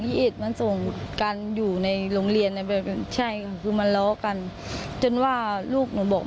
ไอ้เอสมาส่งกันอยู่ในโรงเรียนใช่คือมาล้อกันจนว่าลูกหนูบอก